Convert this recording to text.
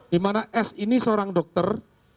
dimana s ini seorang dokter